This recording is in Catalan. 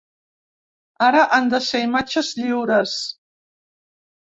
Ara, han de ser imatges lliures.